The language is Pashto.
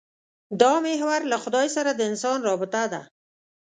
دا محور له خدای سره د انسان رابطه ده.